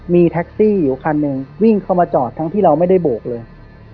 มีแท็กซี่อยู่คันหนึ่งวิ่งเข้ามาจอดทั้งที่เราไม่ได้โบกเลย